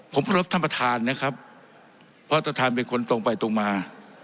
ผมขอรบท่านประธานนะครับเพราะท่านเป็นคนตรงไปตรงมา